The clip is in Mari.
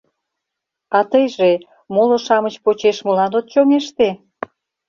— А тыйже моло-шамыч почеш молан от чоҥеште?